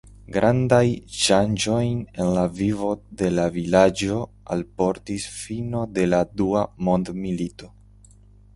Grandajn ŝanĝojn en la vivo de la vilaĝo alportis fino de la dua mondmilito.